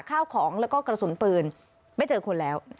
ข้าวของแล้วก็กระสุนปืนไม่เจอคนแล้ว